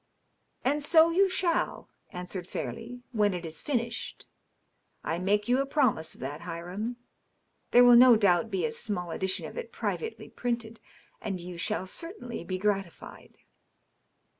^' And so you shall,'* answered Fairleigh, " when it is finished. I make you a promise of that, Hiram. There will no doubt be a small edition of it privately printed, and you shall certainly be gratified.'